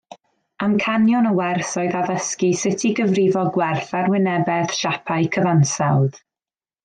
Amcanion y wers oedd addysgu sut i gyfrifo gwerth arwynebedd siapau cyfansawdd